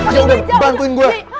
ya udah bantuin gue